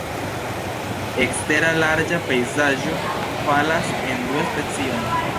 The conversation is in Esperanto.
Ekstera larĝa pejzaĝo falas en du specojn.